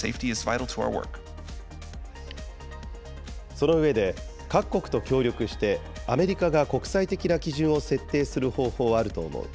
その上で、各国と協力して、アメリカが国際的な基準を設定する方法はあると思う。